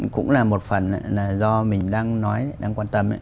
cũng là một phần là do mình đang nói đang quan tâm